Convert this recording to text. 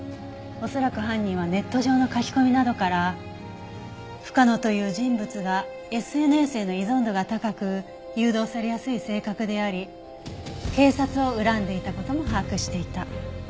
恐らく犯人はネット上の書き込みなどから深野という人物がＳＮＳへの依存度が高く誘導されやすい性格であり警察を恨んでいた事も把握していた。